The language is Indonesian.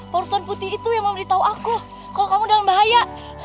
porus tuan putih itu yang mau memberitahu aku kalau kamu dalam bahaya